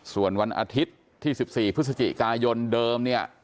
ส่วนวันอาทิตย์ที่๑๔พฤศจิกายนเดิมเนี่ย